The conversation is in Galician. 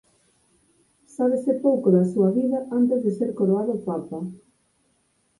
Sábese pouco da súa vida antes de ser coroado papa.